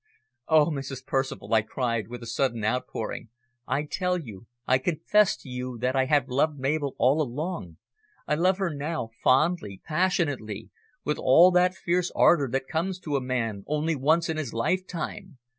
"Oh, Mrs. Percival!" I cried, with a sudden outpouring, "I tell you, I confess to you that I have loved Mabel all along I love her now, fondly, passionately, with all that fierce ardour that comes to a man only once in his lifetime.